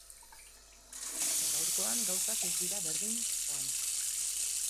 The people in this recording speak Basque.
Gaurkoan gauzak ez dira berdin joan.